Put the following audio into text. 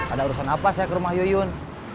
ada urusan apa saya ke rumah yuyun